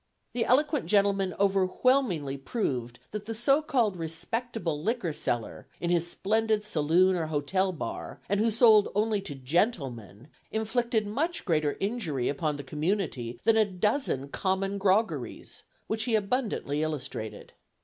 The eloquent gentleman overwhelmingly proved that the so called respectable liquor seller, in his splendid saloon or hotel bar, and who sold only to "gentlemen," inflicted much greater injury upon the community than a dozen common groggeries which he abundantly illustrated.